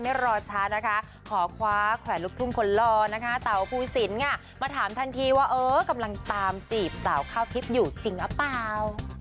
มาถามทันทีว่าเออกำลังตามจีบสาวข้าวทิศอยู่จริงหรือเปล่า